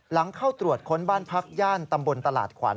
หลังเข้าตรวจค้นบ้านพักย่านตำบลตลาดขวัญ